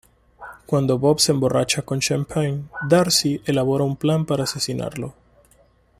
Cuando Bob se emborracha con champán, Darcy elabora un plan para asesinarlo.